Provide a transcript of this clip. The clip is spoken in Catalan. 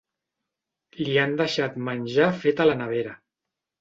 Li han deixat menjar fet a la nevera.